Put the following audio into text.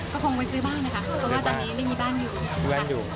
ก็คงไปซื้อบ้านนะคะเพราะว่าตอนนี้ไม่มีบ้านอยู่บ้านอยู่